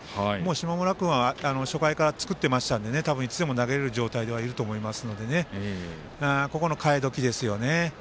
下村君は初回から作っていたので多分いつでも投げれる状態にはしていると思いますのでここの代え時ですよね。